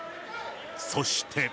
そして。